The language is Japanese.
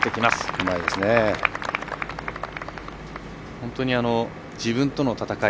本当に自分との闘い。